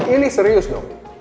ini serius dong